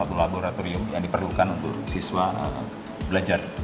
dari salah satu laboratorium yang diperlukan untuk siswa belajar dan berpraktek